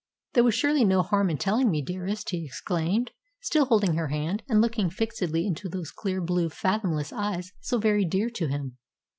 "There was surely no harm in telling me, dearest," he exclaimed, still holding her hand, and looking fixedly into those clear blue, fathomless eyes so very dear to him.